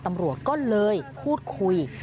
ตำรวจก็เลยพูดคุย